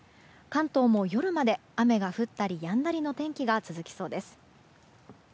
関東も夜まで雨が降ったりやんだりの天気が続きそうです。